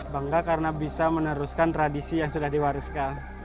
bangga karena bisa meneruskan tradisi yang sudah diwariskan